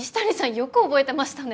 よく覚えてましたね！